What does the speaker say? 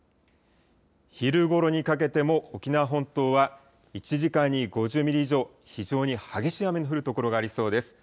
昼ごろにかけても沖縄本島は１時間に５０ミリ以上、非常に激しい雨の降る所がありそうです。